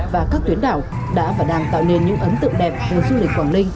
và các tuyến đảo đã và đang tạo nên những ấn tượng đẹp của du lịch quảng ninh